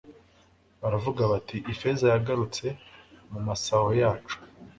baravuga bati ifeza zagarutse mu masaho yacu